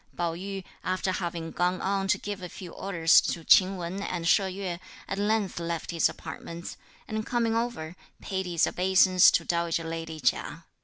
Pao yü, after having gone on to give a few orders to Ch'ing Wen and She Yueh, at length left his apartments, and coming over, paid his obeisance to dowager lady Chia.